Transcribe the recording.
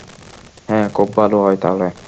হ্যাঁ, খুব ভালো হয় তাহলে।